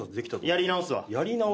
やり直すわ。